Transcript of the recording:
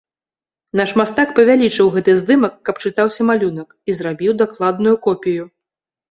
Наш мастак павялічыў гэты здымак, каб чытаўся малюнак, і зрабіў дакладную копію.